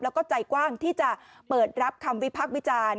แล้วก็ใจกว้างที่จะเปิดรับคำวิพักษ์วิจารณ์